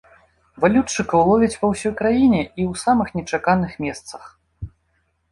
Валютчыкаў ловяць па ўсёй краіне і ў самых нечаканых месцах.